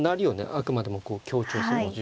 あくまでも強調する。